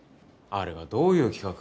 あれがどういう企画か。